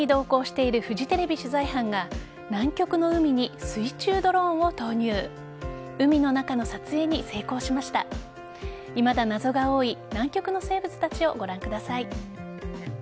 いまだ謎が多い南極の生物たちをご覧ください。